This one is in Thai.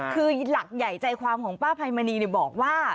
คือหลักใหญ่ใจความของป้าภัยมณีบอกว่า